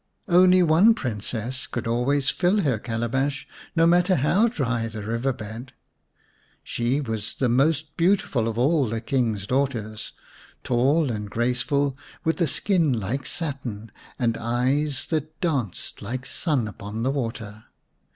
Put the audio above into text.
Only one Princess could always fill her calabash, no matter how dry the river bed. She was the most beautiful of all the King's daughters, tall and graceful, with a skin like satin and eyes that danced like sun upon the water.